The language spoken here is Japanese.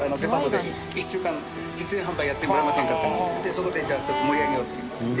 そこでじゃあちょっと盛り上げようということで。